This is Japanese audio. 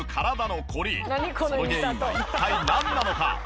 その原因は一体なんなのか？